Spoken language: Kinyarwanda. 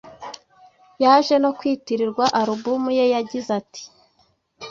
yaje no kwitirirwa Album ye yagize ati,